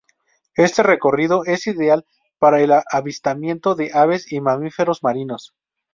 Este recorrido es ideal para el avistamiento de aves y mamíferos marinos.